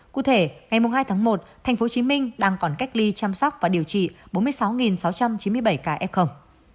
cụ thể ngày hai tháng một tp hcm đang còn cách ly chăm sóc và điều trị bốn mươi sáu sáu trăm chín mươi bảy ca f